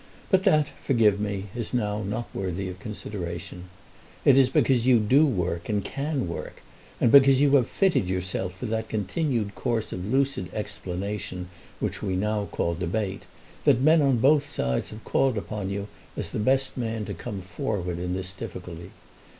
But that, forgive me, is now not worthy of consideration. It is because you do work and can work, and because you have fitted yourself for that continued course of lucid explanation which we now call debate, that men on both sides have called upon you as the best man to come forward in this difficulty.